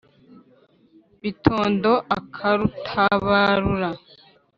bitondo akarutabarura.